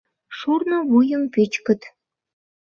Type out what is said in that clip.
Шурно вуйым пӱчкыт.